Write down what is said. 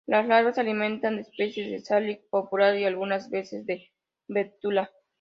Las larvas se alimentan de especies de "Salix", "Populus" y algunas veces de "Betula".